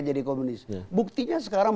jadi komunis buktinya sekarang